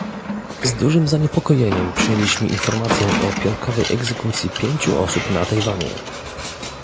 z dużym zaniepokojeniem przyjęliśmy informację o piątkowej egzekucji pięciu osób na Tajwanie